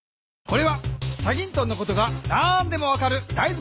これは『チャギントン』のことが何でも分かるだい